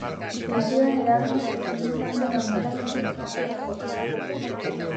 Lesioen eraginez ezin izan du normaltasunez entrenatu eta jokatu.